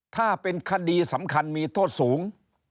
ถ้าเป็นคดีสำคัญมีโทษสูง